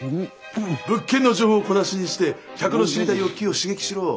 物件の情報を小出しにして客の知りたい欲求を刺激しろ！